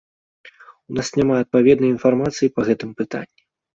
У нас няма адпаведнай інфармацыі па гэтым пытанні.